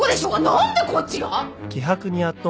何でこっちが！？